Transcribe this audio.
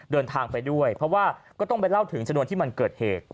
เดินทางไปด้วยเพราะว่าก็ต้องไปเล่าถึงชนวนที่มันเกิดเหตุ